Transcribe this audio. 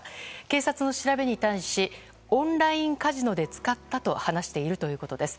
警察の調べに対しオンラインカジノで使ったと話しているということです。